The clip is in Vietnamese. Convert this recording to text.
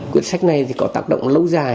quyết sách này thì có tác động lâu dài